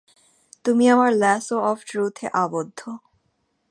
তুমি আমার lasso of ট্রুথে আবদ্ধ।